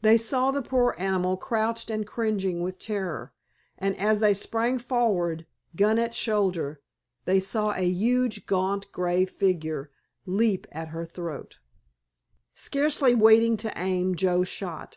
They saw the poor animal crouched and cringing with terror, and as they sprang forward, gun at shoulder, they saw a huge, gaunt grey figure leap at her throat. Scarcely waiting to aim, Joe shot.